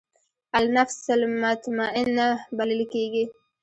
النفس المطمئنه بلل کېږي.